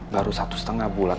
baru satu lima bulan